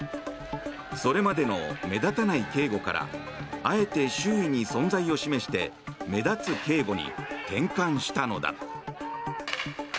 それまでの目立たない警護からあえて周囲に存在を示して目立つ警護に転換したのだ。